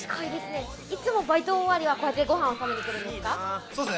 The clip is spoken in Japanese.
いつもバイト終わりはこうやってご飯食べてるんですか？